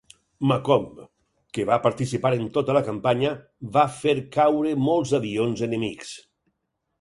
"Macomb", que va participar en tota la campanya, va fer caure molts avions enemics.